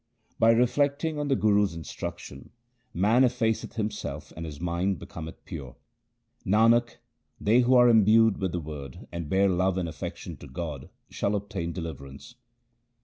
By reflecting on the Guru's instruction, man effaceth him self and his mind becometh pure. Nanak, they who are imbued with the Word and bear love and affection to God shall obtain deliverance.